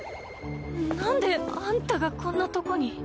なんであんたがこんなとこに？